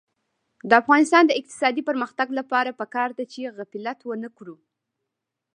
د افغانستان د اقتصادي پرمختګ لپاره پکار ده چې غفلت ونکړو.